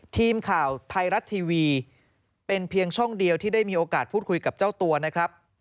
ทีมข่าวไทยรัฐทีวีเป็นเพียงช่องเดียวที่ได้มีโอกาสพูดคุยกับเจ้าตัวนะครับ